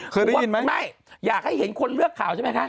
เคยได้ยินไหมไม่อยากให้เห็นคนเลือกข่าวใช่ไหมคะ